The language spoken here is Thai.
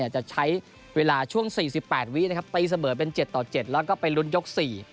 จะใช้เวลาช่วง๔๘วินะครับตีเสมอเป็น๗ต่อ๗แล้วก็ไปลุ้นยก๔